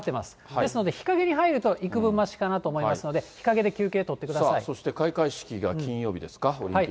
ですので、日陰に入ると、いくぶんましかなと思いますので、そして、開会式が金曜日です